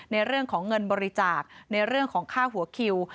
ในเรื่องของเงินบริจาคในเรื่องของค่าหัวคิว